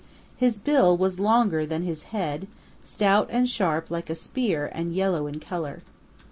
His bill was longer than his head, stout and sharp like a spear and yellow in color.